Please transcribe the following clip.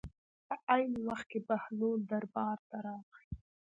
په عین وخت کې بهلول دربار ته راغی.